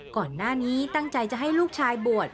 ก่อนหน้านี้ตั้งใจจะให้ลูกชายบวช